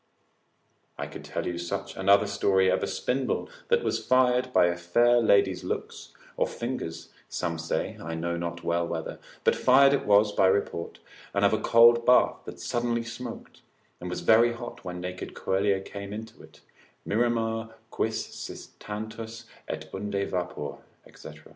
I could tell you such another story of a spindle that was fired by a fair lady's looks, or fingers, some say, I know not well whether, but fired it was by report, and of a cold bath that suddenly smoked, and was very hot when naked Coelia came into it, Miramur quis sit tantus et unde vapor, &c.